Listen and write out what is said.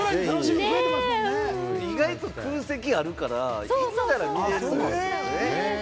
意外と空席あるから、行ったら見れるんですよね？